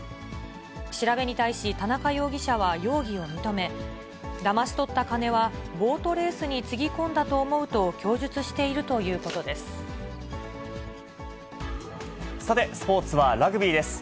調べに対し、田中容疑者は容疑を認め、だまし取った金はボートレースにつぎ込んだと思うと供述しているさて、スポーツはラグビーです。